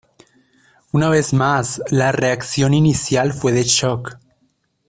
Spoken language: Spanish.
Una vez más, la reacción inicial fue de shock.